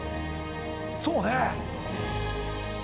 そうね。